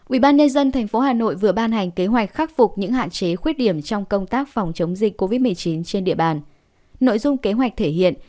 ubnd tp hà nội vừa ban hành kế hoạch khắc phục những hạn chế khuyết điểm trong công tác phòng chống dịch covid một mươi chín trên địa bàn